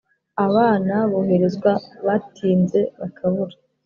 Abana boherezwa batinze bakabura